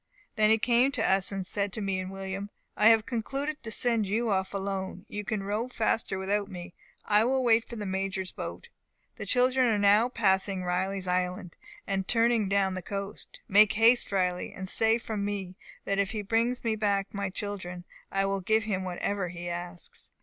Then he came to us, and said to me and William, 'I have concluded to send you off alone; you can row faster without me. I will wait for the Major's boat. The children are now passing Riley's Island, and turning down the coast. Make haste to Riley, and say from me, that if he brings me back my children I will give him whatever he asks.